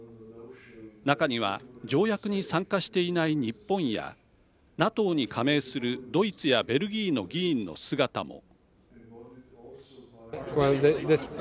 中には条約に参加していない日本やＮＡＴＯに加盟するドイツやベルギーの議員の姿も。